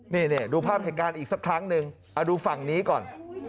นี่ดูภาพเหตุการณ์อีกสักครั้งหนึ่งดูฝั่งนี้ก่อน